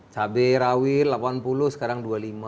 cabai rawil delapan puluh sekarang dua puluh lima